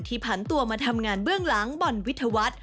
ผันตัวมาทำงานเบื้องหลังบอลวิทยาวัฒน์